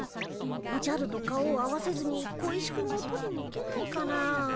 おじゃると顔を合わせずに小石くんを取りに行けないかな？